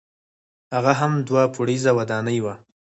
هغه هم دوه پوړیزه ودانۍ وه.